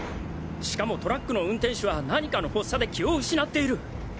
しかもトラックの運転手は何かの発作で気を失っている。